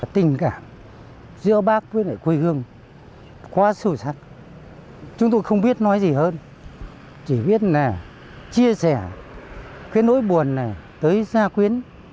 tình cảm giữa bác với quê hương quá sâu sắc chúng tôi không biết nói gì hơn chỉ biết là chia sẻ cái nỗi buồn này tới gia quyến